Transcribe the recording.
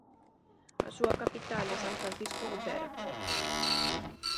A súa capital é San Francisco Gotera.